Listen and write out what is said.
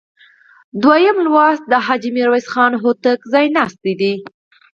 دویم لوست د حاجي میرویس خان هوتک ځایناستي دي.